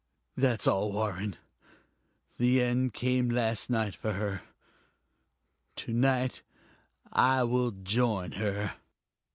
That's all, Warren. The end came last night for her to night I will join her."